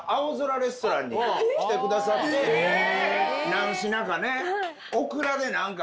何品かね。